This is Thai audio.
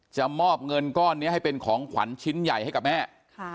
มอบเงินก้อนนี้ให้เป็นของขวัญชิ้นใหญ่ให้กับแม่